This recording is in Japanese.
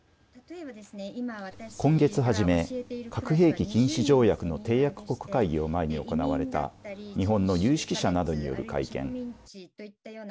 今月初め核兵器禁止条約の締約国会議を前に行われた日本の有識者などによる会見。